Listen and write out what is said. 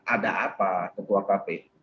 ada apa ketua kpu